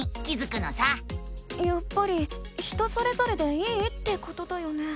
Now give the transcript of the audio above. やっぱり人それぞれでいいってことだよね？